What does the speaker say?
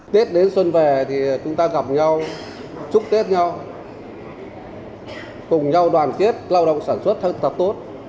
tết đến xuân về thì chúng ta gặp nhau chúc tết nhau cùng nhau đoàn kết lao động sản xuất thân tập tốt